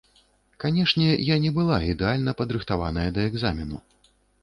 Канешне, я не была ідэальна падрыхтаваная да экзамену.